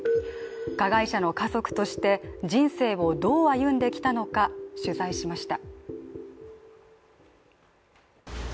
加害者の家族として人生をどう歩んできたのか取材しました。